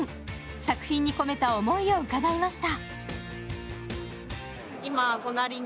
作品に込めた思いを伺いました。